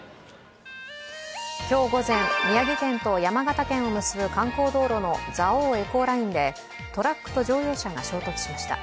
今日午前、宮城県と山形県を結ぶ観光道路の蔵王エコーラインでトラックと乗用車が衝突しました。